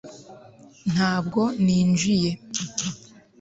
ntabwo ninjiye